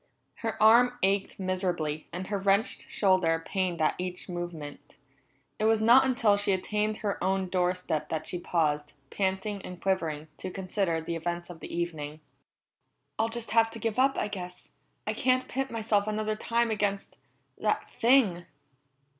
Her arm ached miserably, and her wrenched shoulder pained at each movement. It was not until she attained her own door step that she paused, panting and quivering, to consider the events of the evening. "I can't stand any more of this!" she muttered wretchedly to herself. "I'll just have to give up, I guess; I can't pit myself another time against that thing."